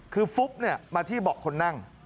คือฟุ๊บมาที่เบาะคนนั่ง